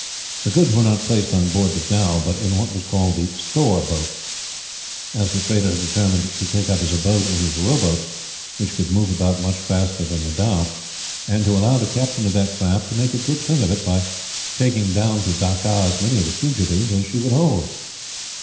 The goods were not placed on board the dhow, but in what was called the store boat; as the trader had determined to take up his abode in his rowboat, which could move about much faster than the dhow; and to allow the captain of that craft to make a good thing of it, by taking down to Dacca as many of the fugitives as she would hold.